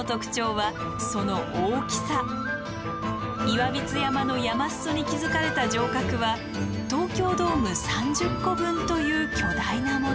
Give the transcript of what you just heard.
岩櫃山の山裾に築かれた城郭は東京ドーム３０個分という巨大なもの。